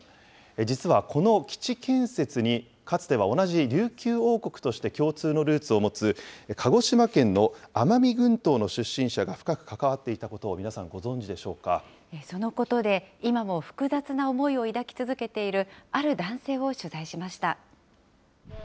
実はこの基地建設に、かつては同じ琉球王国として共通のルーツを持つ、鹿児島県の奄美群島の出身者が深く関わっていたことを皆さそのことで、今も複雑な思いを抱き続けている、ある男性を取材しました。